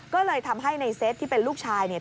ก็เลยทำให้ในเซตที่เป็นลูกชายเนี่ย